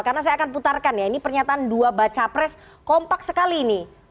karena saya akan putarkan ya ini pernyataan dua baca pres kompak sekali ini